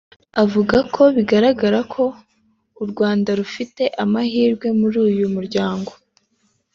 avuga ko bigaragara ko u Rwanda rufite amahirwe muri uyu muryango